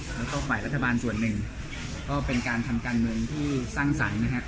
แล้วก็ฝ่ายรัฐบาลส่วนหนึ่งก็เป็นการทำการเมืองที่สร้างสรรค์นะครับ